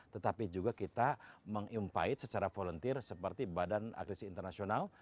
tetapi juga kita mengimpait secara volunteer seperti badan agresi internasional